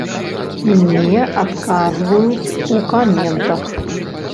І мне адказваюць у каментах.